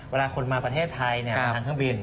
เวลาคนมาประเทศไทยเนี่ยทางทางบิน